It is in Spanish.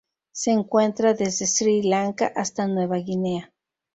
Se encuentra desde Sri Lanka hasta Nueva Guinea.